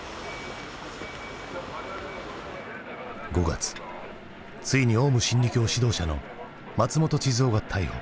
５月ついにオウム真理教指導者の松本智津夫が逮捕。